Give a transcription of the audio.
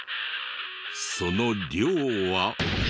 その量は。